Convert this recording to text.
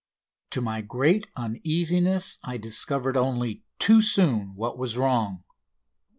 To my great uneasiness I discovered only too soon what was wrong.